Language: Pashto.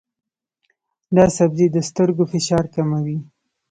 دا سبزی د سترګو فشار کموي.